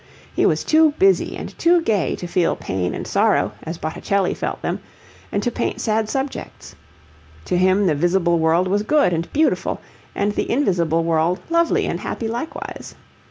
He was too busy and too gay to feel pain and sorrow, as Botticelli felt them, and to paint sad subjects. To him the visible world was good and beautiful, and the invisible world lovely and happy likewise.